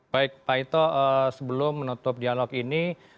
baik pak ito sebelum menutup dialog ini